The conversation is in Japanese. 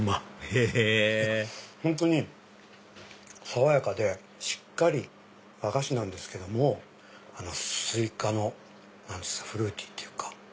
へぇ本当に爽やかでしっかり和菓子なんですけどもスイカのフルーティーっていうか。